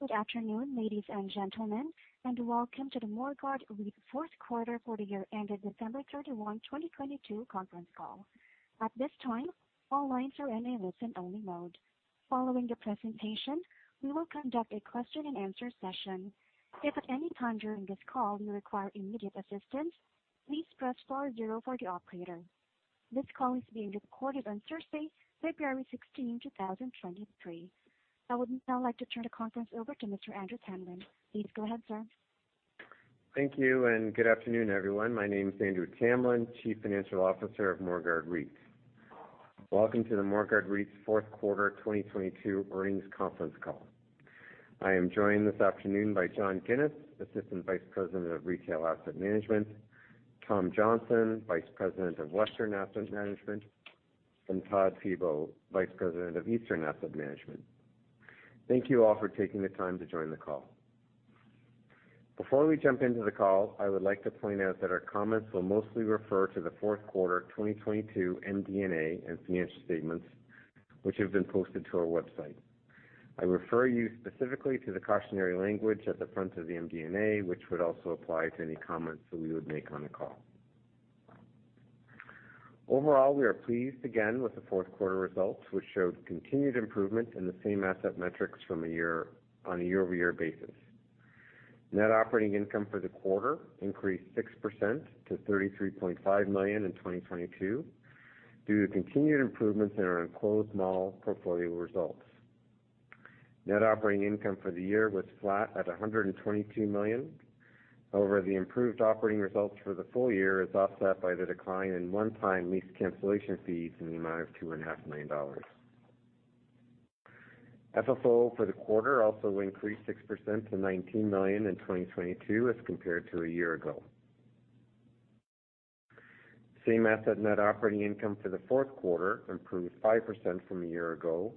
Good afternoon, ladies and gentlemen, and welcome to the Morguard REIT fourth quarter for the year ended December 31, 2022 conference call. At this time, all lines are in a listen-only mode. Following the presentation, we will conduct a question-and-answer session. If at any time during this call you require immediate assistance, please press star zero for the operator. This call is being recorded on Thursday, February 16th, 2023. I would now like to turn the conference over to Mr. Andrew Tamlin. Please go ahead, sir. Thank you. Good afternoon, everyone. My name is Andrew Tamlin, Chief Financial Officer of Morguard REIT. Welcome to the Morguard REIT's fourth quarter 2022 earnings conference call. I am joined this afternoon by John Ginis, Assistant Vice President of Retail Asset Management, Tom Watson, Vice President of Western Asset Management, and Todd Thibault, Vice President of Eastern Asset Management. Thank you all for taking the time to join the call. Before we jump into the call, I would like to point out that our comments will mostly refer to the fourth quarter of 2022 MD&A and financial statements, which have been posted to our website. I refer you specifically to the cautionary language at the front of the MD&A, which would also apply to any comments that we would make on the call. Overall, we are pleased again with the fourth quarter results, which showed continued improvement in the same asset metrics on a year-over-year basis. Net operating income for the quarter increased 6% to 33.5 million in 2022 due to continued improvements in our enclosed mall portfolio results. Net operating income for the year was flat at 122 million. The improved operating results for the full year is offset by the decline in one-time lease cancellation fees in the amount of two and a half million dollars. FFO for the quarter also increased 6% to 19 million in 2022 as compared to a year ago. Same asset net operating income for the fourth quarter improved 5% from a year ago,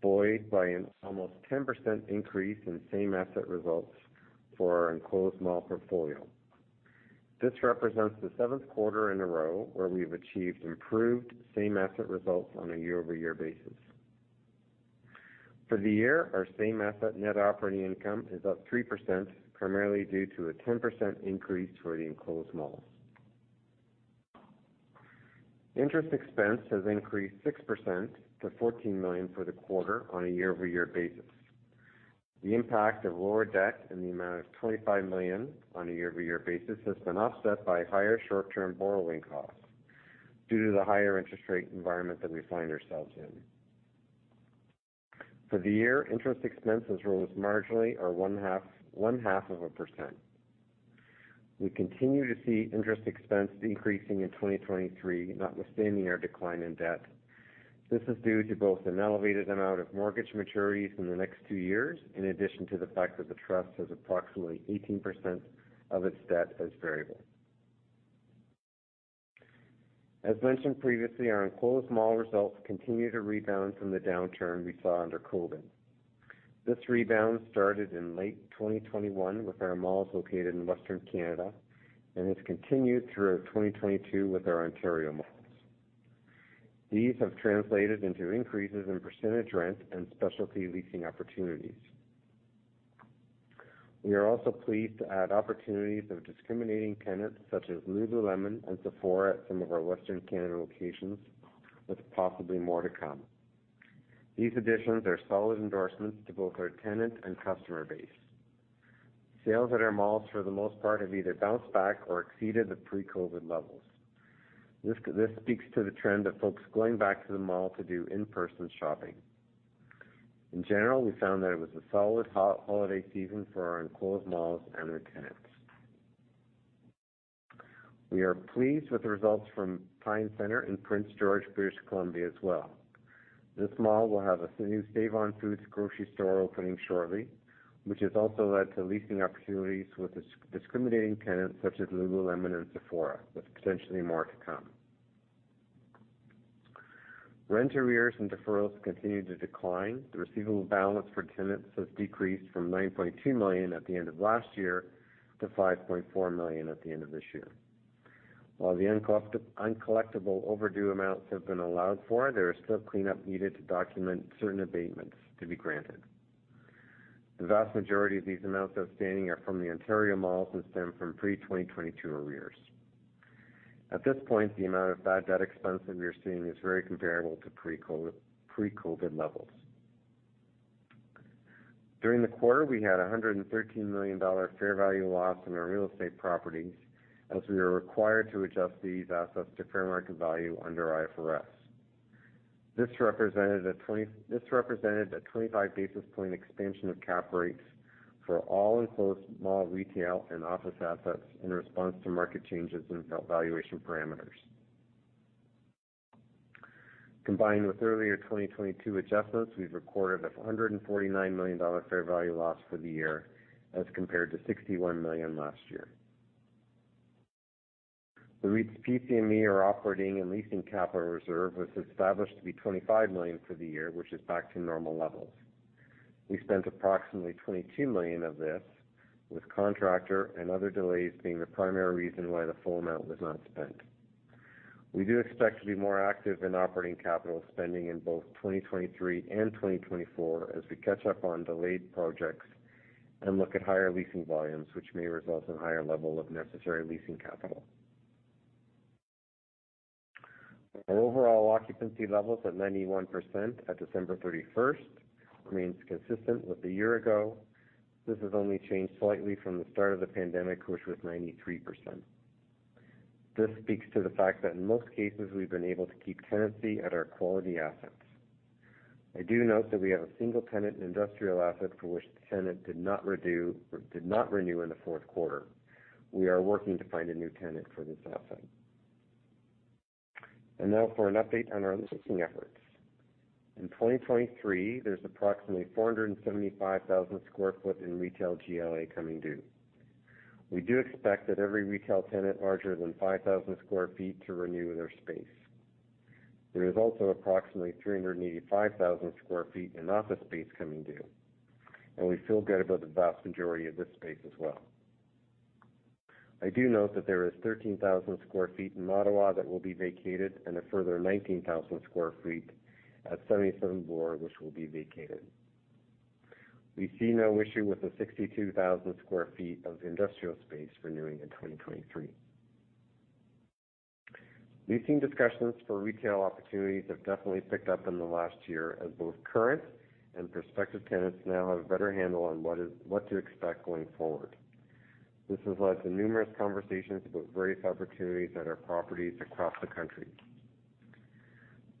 buoyed by an almost 10% increase in same asset results for our enclosed mall portfolio. This represents the 7th quarter in a row where we've achieved improved same asset results on a year-over-year basis. For the year, our same asset net operating income is up 3%, primarily due to a 10% increase for the enclosed malls. Interest expense has increased 6% to 14 million for the quarter on a year-over-year basis. The impact of lower debt in the amount of 25 million on a year-over-year basis has been offset by higher short-term borrowing costs due to the higher interest rate environment that we find ourselves in. For the year, interest expenses rose marginally or one half of a percent. We continue to see interest expense decreasing in 2023, notwithstanding our decline in debt. This is due to both an elevated amount of mortgage maturities in the next 2 years, in addition to the fact that the trust has approximately 18% of its debt as variable. As mentioned previously, our enclosed mall results continue to rebound from the downturn we saw under COVID. This rebound started in late 2021 with our malls located in Western Canada and has continued throughout 2022 with our Ontario malls. These have translated into increases in percentage rent and specialty leasing opportunities. We are also pleased to add opportunities of discriminating tenants such as lululemon and Sephora at some of our Western Canada locations, with possibly more to come. These additions are solid endorsements to both our tenant and customer base. Sales at our malls, for the most part, have either bounced back or exceeded the pre-COVID levels. This speaks to the trend of folks going back to the mall to do in-person shopping. In general, we found that it was a solid holiday season for our enclosed malls and their tenants. We are pleased with the results from Pine Centre in Prince George, British Columbia as well. This mall will have a new Save-On-Foods grocery store opening shortly, which has also led to leasing opportunities with discriminating tenants such as lululemon and Sephora, with potentially more to come. Rent arrears and deferrals continue to decline. The receivable balance for tenants has decreased from 9.2 million at the end of last year to 5.4 million at the end of this year. While the uncollectible overdue amounts have been allowed for, there is still cleanup needed to document certain abatements to be granted. The vast majority of these amounts outstanding are from the Ontario malls and stem from pre-2022 arrears. At this point, the amount of bad debt expense that we are seeing is very comparable to pre-COVID levels. During the quarter, we had a 113 million dollar fair value loss in our real estate properties, as we are required to adjust these assets to fair market value under IFRS. This represented a 25 basis point expansion of cap rates for all enclosed mall, retail, and office assets in response to market changes in valuation parameters. Combined with earlier 2022 adjustments, we've recorded a 149 million dollar fair value loss for the year as compared to 61 million last year. The REIT's PCME, or Operating and Leasing Capital Reserve, was established to be 25 million for the year, which is back to normal levels. We spent approximately 22 million of this, with contractor and other delays being the primary reason why the full amount was not spent. We do expect to be more active in operating capital spending in both 2023 and 2024 as we catch up on delayed projects and look at higher leasing volumes, which may result in higher level of necessary leasing capital. Our overall occupancy levels at 91% at December 31st remains consistent with a year ago. This has only changed slightly from the start of the pandemic, which was 93%. This speaks to the fact that in most cases, we've been able to keep tenancy at our quality assets. I do note that we have a single tenant in industrial asset for which the tenant did not renew in the fourth quarter. We are working to find a new tenant for this asset. Now for an update on our leasing efforts. In 2023, there's approximately 475,000 sq ft in retail GLA coming due. We do expect that every retail tenant larger than 5,000 sq ft to renew their space. There is also approximately 385,000 sq ft in office space coming due, and we feel good about the vast majority of this space as well. I do note that there is 13,000 sq ft in Ottawa that will be vacated and a further 19,000 sq ft at 77 Bloor, which will be vacated. We see no issue with the 62,000 sq ft of industrial space renewing in 2023. Leasing discussions for retail opportunities have definitely picked up in the last year, as both current and prospective tenants now have a better handle on what to expect going forward. This has led to numerous conversations about various opportunities at our properties across the country.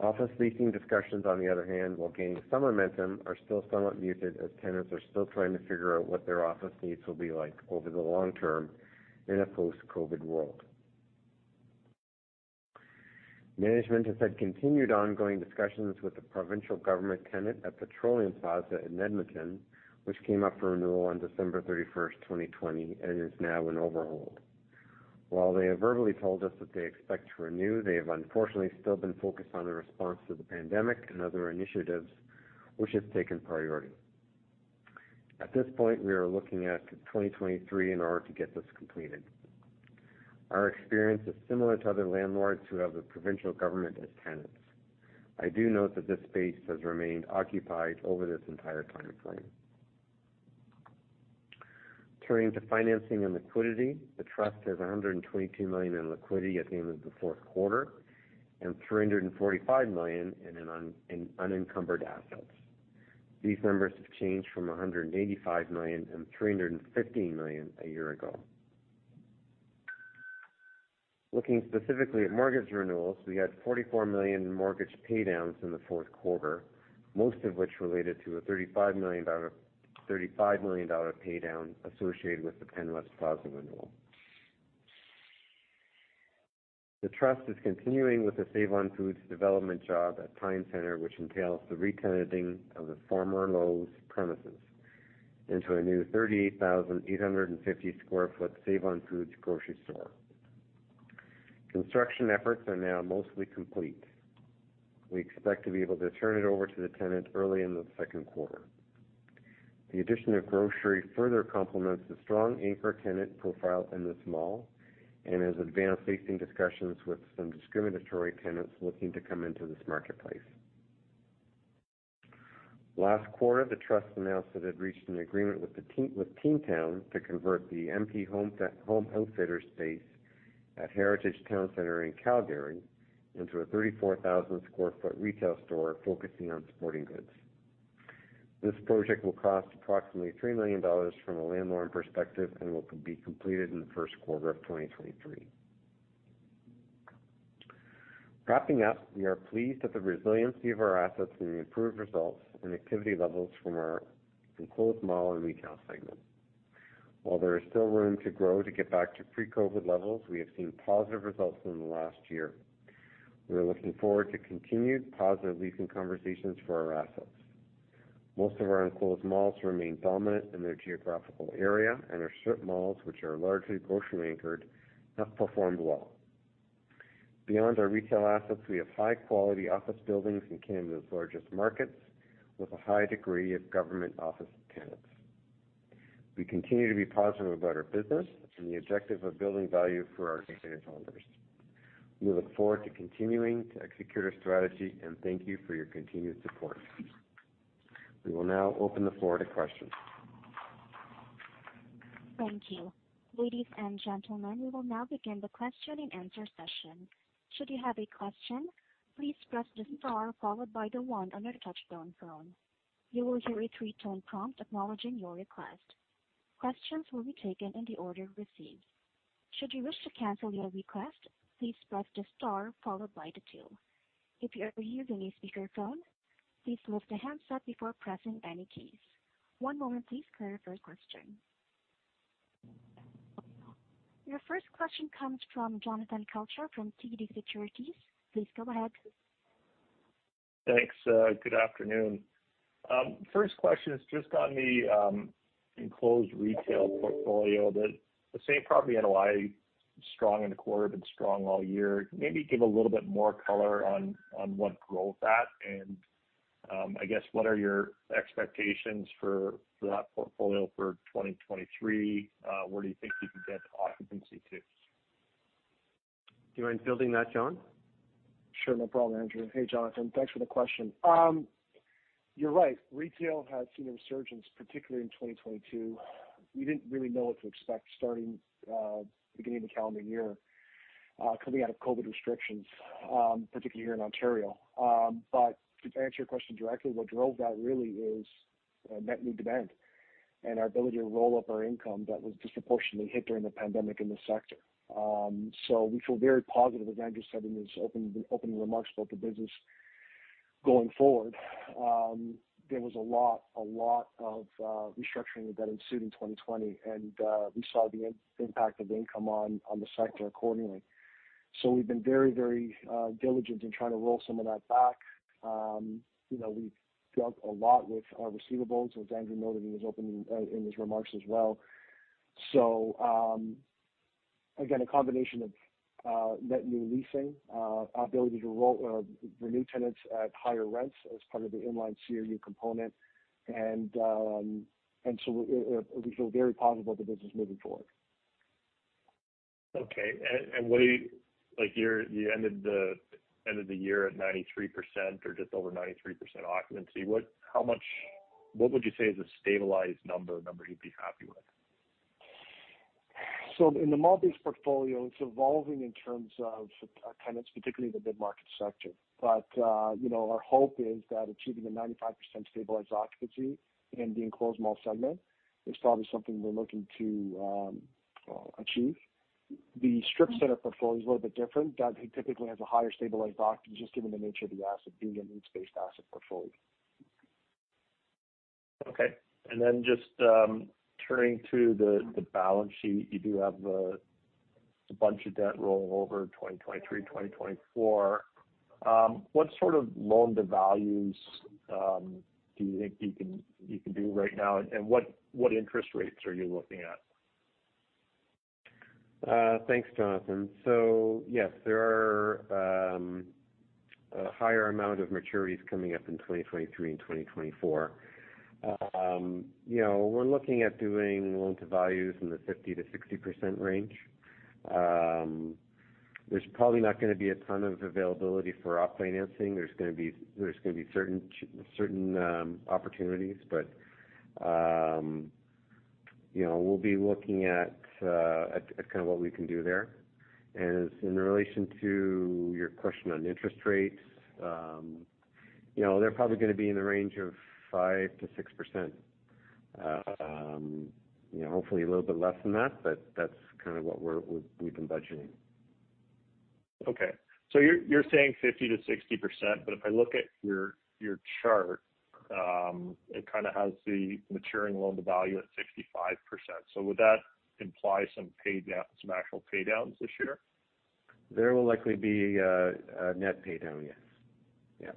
Office leasing discussions, on the other hand, while gaining some momentum, are still somewhat muted as tenants are still trying to figure out what their office needs will be like over the long term in a post-COVID world. Management has had continued ongoing discussions with the provincial government tenant at Petroleum Plaza in Edmonton, which came up for renewal on December 31st, 2020, and is now in overhaul. While they have verbally told us that they expect to renew, they have unfortunately still been focused on the response to the pandemic and other initiatives, which has taken priority. At this point, we are looking at 2023 in order to get this completed. Our experience is similar to other landlords who have the provincial government as tenants. I do note that this space has remained occupied over this entire time frame. Turning to financing and liquidity. The trust has 122 million in liquidity at the end of the fourth quarter and 345 million in unencumbered assets. These numbers have changed from 185 million and 315 million a year ago. Looking specifically at mortgage renewals, we had 44 million in mortgage pay downs in the fourth quarter, most of which related to a 35 million dollar pay down associated with the Penn West Plaza renewal. The trust is continuing with the Save-On-Foods development job at Pine Centre, which entails the retenanting of the former Lowe's premises into a new 38,850 sq ft Save-On-Foods grocery store. Construction efforts are now mostly complete. We expect to be able to turn it over to the tenant early in the second quarter. The addition of grocery further complements the strong anchor tenant profile in this mall and has advanced leasing discussions with some discriminatory tenants looking to come into this marketplace. Last quarter, the trust announced that it had reached an agreement with T&T Supermarket to convert the Home Outfitters space at Heritage Town Centre in Calgary into a 34,000 sq ft retail store focusing on sporting goods. This project will cost approximately 3 million dollars from a landlord perspective and will be completed in the first quarter of 2023. Wrapping up, we are pleased that the resiliency of our assets and the improved results and activity levels from our enclosed mall and retail segment. While there is still room to grow to get back to pre-COVID levels, we have seen positive results in the last year. We are looking forward to continued positive leasing conversations for our assets. Most of our enclosed malls remain dominant in their geographical area, and our strip malls, which are largely grocery anchored, have performed well. Beyond our retail assets, we have high quality office buildings in Canada's largest markets with a high degree of government office tenants. We continue to be positive about our business and the objective of building value for our unitholders. We look forward to continuing to execute our strategy and thank you for your continued support. We will now open the floor to questions. Thank you. Ladies and gentlemen, we will now begin the question-and-answer session. Should you have a question, please press the star followed by the one on your touchtone phone. You will hear a three-tone prompt acknowledging your request. Questions will be taken in the order received. Should you wish to cancel your request, please press the star followed by the two. If you are using a speakerphone, please move the handset before pressing any keys. One moment please for your first question. Your first question comes from Jonathan Kelcher from TD Securities. Please go ahead. Thanks, good afternoon. First question is just on the enclosed retail portfolio that the same property NOI, strong in the quarter, been strong all year. Maybe give a little bit more color on what drove that, and I guess what are your expectations for that portfolio for 2023? Where do you think you can get the occupancy to? Do you mind fielding that, John? Sure. No problem, Andrew Tamlin. Hey, Jonathan Kelcher. Thanks for the question. You're right. Retail has seen a resurgence, particularly in 2022. We didn't really know what to expect starting beginning of the calendar year coming out of COVID restrictions, particularly here in Ontario. To answer your question directly, what drove that really is net new demand and our ability to roll up our income that was disproportionately hit during the pandemic in the sector. We feel very positive, as Andrew Tamlin said in his opening remarks about the business going forward. There was a lot of restructuring that ensued in 2020, and we saw the impact of income on the sector accordingly. We've been very diligent in trying to roll some of that back. You know, we've dealt a lot with our receivables, as Andrew noted in his opening, in his remarks as well. Again, a combination of net new leasing, ability to roll, renew tenants at higher rents as part of the inline CRU component and so we feel very positive about the business moving forward. Okay. What are you... Like, you ended the year at 93% or just over 93% occupancy. What would you say is a stabilized number, a number you'd be happy with? In the mall-based portfolio, it's evolving in terms of tenants, particularly in the mid-market sector. You know, our hope is that achieving a 95% stabilized occupancy in the enclosed mall segment is probably something we're looking to achieve. The strip center portfolio is a little bit different. That typically has a higher stabilized occupancy just given the nature of the asset being a needs-based asset portfolio. Okay. Then just turning to the balance sheet. You do have a bunch of debt rollover, 2023, 2024. What sort of loan to values do you think you can do right now, and what interest rates are you looking at? Thanks, Jonathan. Yes, there are a higher amount of maturities coming up in 2023 and 2024. You know, we're looking at doing loan to values in the 50%-60% range. There's probably not gonna be a ton of availability for op financing. There's gonna be certain opportunities, but, you know, we'll be looking at kinda what we can do there. As in relation to your question on interest rates, you know, they're probably gonna be in the range of 5%-6%. You know, hopefully a little bit less than that, but that's kind of what we've been budgeting. Okay. You're saying 50%-60%, but if I look at your chart, it kind of has the maturing loan to value at 65%. Would that imply some actual paydowns this year? There will likely be a net paydown, yes. Yeah.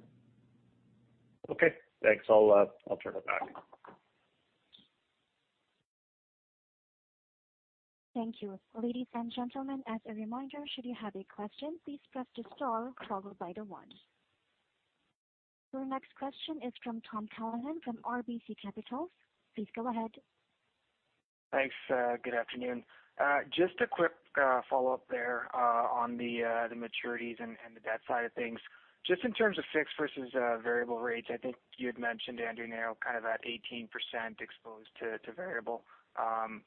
Okay. Thanks. I'll circle back. Thank you. Ladies and gentlemen, as a reminder, should you have a question, please press star followed by the one. Your next question is from Tom Callaghan from RBC Capital. Please go ahead. Thanks. Good afternoon. Just a quick follow-up there on the maturities and the debt side of things. Just in terms of fixed versus variable rates, I think you had mentioned, Andrew now kind of at 18% exposed to variable.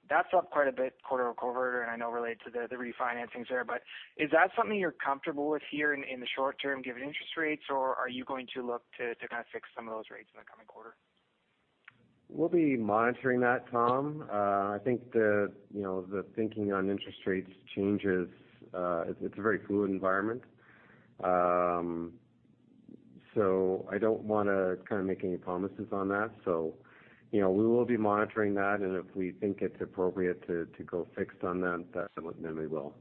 That's up quite a bit quarter-over-quarter and I know related to the refinancings there. Is that something you're comfortable with here in the short term given interest rates or are you going to look to kind of fix some of those rates in the coming quarter? We'll be monitoring that, Tom. I think the, you know, the thinking on interest rates changes, it's a very fluid environment. I don't wanna kind of make any promises on that. You know, we will be monitoring that, and if we think it's appropriate to go fixed on them, then we will.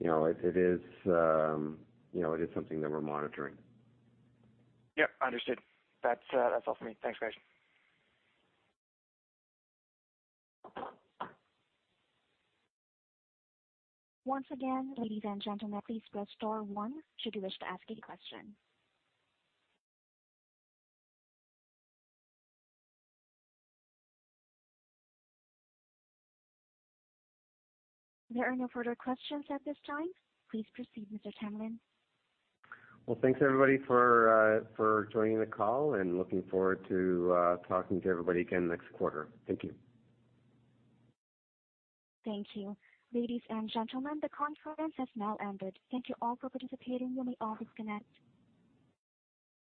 You know, it is, you know, it is something that we're monitoring. Yeah, understood. That's, that's all for me. Thanks, guys. Once again, ladies and gentlemen, please press star one should you wish to ask any question. There are no further questions at this time. Please proceed, Mr. Tamlin. Thanks everybody for for joining the call and looking forward to talking to everybody again next quarter. Thank you. Thank you. Ladies and gentlemen, the conference has now ended. Thank you all for participating. You may all disconnect.